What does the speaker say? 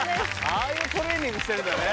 ああいうトレーニングしてるんだね。